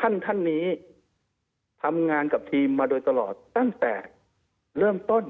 ท่านท่านนี้ทำงานกับทีมมาโดยตลอดตั้งแต่เริ่มต้น